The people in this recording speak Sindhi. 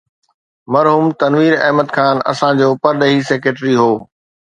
مرحوم تنوير احمد خان اسان جو پرڏيهي سيڪريٽري هو.